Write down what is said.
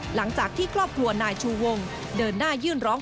หลังจากที่ครอบครัวนายชูวงเดินหน้ายื่นร้อง